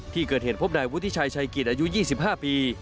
ที่เกิดเหตุพบนายวุฒิชัยชัยกิจอายุ๒๕ปี